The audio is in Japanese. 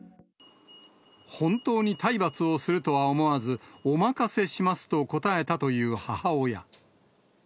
本当に体罰をするとは思わず、お任せしますと答えたという母親。